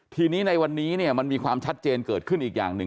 ทีนี้ในวันนี้เนี่ยมันมีความชัดเจนเกิดขึ้นอีกอย่างหนึ่ง